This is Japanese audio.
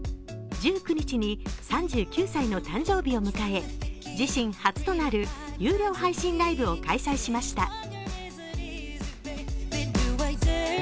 １９日に３９歳の誕生日を迎え自身初となる有料配信ライブを開催しました。